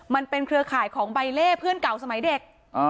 เครือข่ายของใบเล่เพื่อนเก่าสมัยเด็ก